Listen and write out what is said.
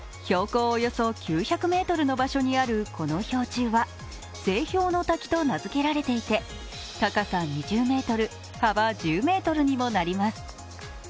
標高およそ９００ｍの場所にあるこの氷柱は青氷の滝と名付けられていて、高さ２０ｍ、幅１０ｍにもなります。